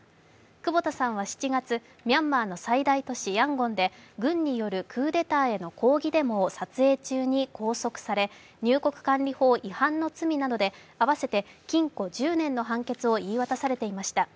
久保田さんは７月、ミャンマーの最大都市ヤンゴンで軍によるクーデターへの抗議デモを撮影中に入国管理法違反の罪などで合わせて禁錮１０年の判決を言い渡されていました。